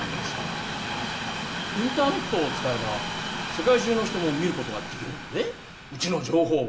インターネットを使えば世界中の人も見ることができるんやでうちの情報を。